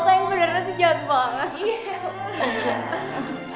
toto yang beneran sih jauh banget